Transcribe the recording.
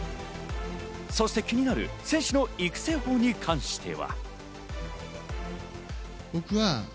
そして気になる選手の育成法に関しては。